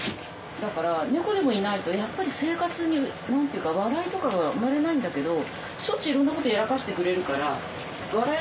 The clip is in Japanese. だから猫でもいないとやっぱり生活に何て言うか笑いとかが生まれないんだけどしょっちゅういろんなことやらかしてくれるから笑えるわけですよ。